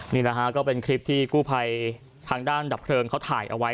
นี่แหละครับก็เป็นคลิปที่กู้ไภทางด้านดับเครืองทายเอาไว้